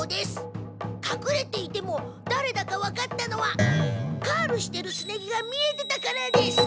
かくれていてもだれだかわかったのはカールしてるすね毛が見えてたからです。